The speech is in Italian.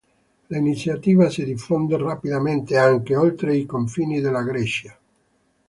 L'iniziativa si diffonde rapidamente anche oltre i confini della Grecia.